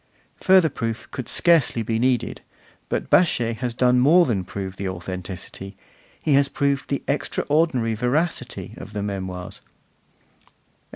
Further proof could scarcely be needed, but Baschet has done more than prove the authenticity, he has proved the extraordinary veracity, of the Memoirs.